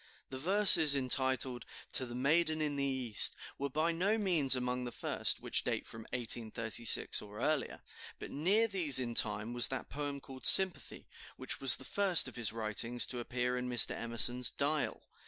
The verses entitled, "To the Maiden in the East," were by no means among the first, which date from 1836 or earlier; but near these in time was that poem called "Sympathy," which was the first of his writings to appear in Mr. Emerson's "Dial."